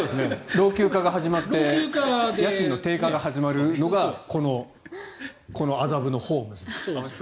老朽化が始まって家賃の低下が始まるのがこの麻布のホームズです。